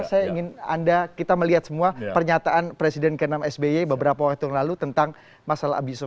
saya ingin anda kita melihat semua pernyataan presiden ke enam sby beberapa waktu yang lalu tentang masalah abu